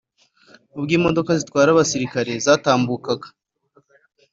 ubwo imodoka zitwara abasirikare zatambukaga